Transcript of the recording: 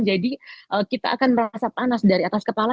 jadi kita akan merasa panas dari atas kepala